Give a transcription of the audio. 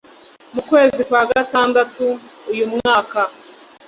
mu kwezi kwa Gatandatu uyu mwaka